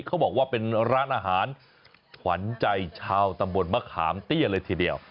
เขาบอกว่าเป็นร้านอาหารขวัญใจชาวตำบลมะขามเตี้ยเลยทีเดียว